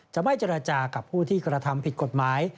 ไม่เจรจากับผู้ที่กระทำผิดกฎหมาย